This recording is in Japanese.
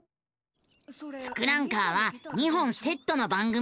「ツクランカー」は２本セットの番組。